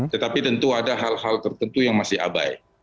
tetapi tentu ada hal hal tertentu yang masih abai